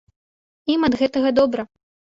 Ім ад гэтага добра.